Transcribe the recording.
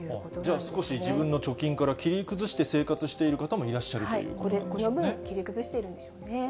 じゃあ、少し自分の貯金から切り崩して生活している方もいらっしゃるといこれ、この分、切り崩しているんですよね。